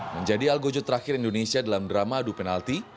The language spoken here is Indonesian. menjadi algojo terakhir indonesia dalam drama adu penalti